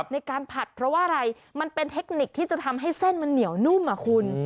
ในการผัดเพราะว่าอะไรมันเป็นเทคนิคที่จะทำให้เส้นมันเหนียวนุ่มอ่ะคุณ